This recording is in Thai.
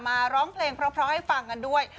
มาร้องเพลงเพราะพร้อมให้ฟังกันด้วย